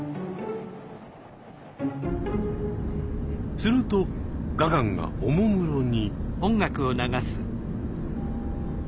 するとガガンがおもむろに。